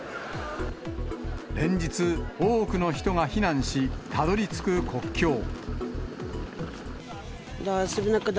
連日、多くの人が避難し、たどりつく国境。